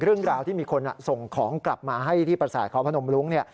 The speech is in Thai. เรื่องราวที่มีคนส่งของกลับมาให้ที่ประสาทเขาพนมรุ้งเนี่ย